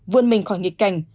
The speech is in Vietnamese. vươn mình khỏi nghịch cảnh